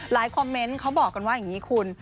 คอมเมนต์เขาบอกกันว่าอย่างนี้คุณ